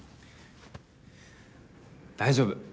大丈夫。